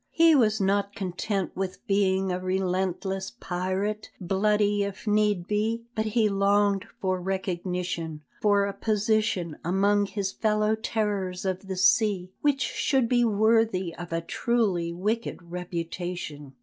He was not content with being a relentless pirate, bloody if need be, but he longed for recognition, for a position among his fellow terrors of the sea, which should be worthy of a truly wicked reputation.